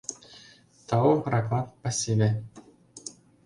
Тау, ракмат, пасиве.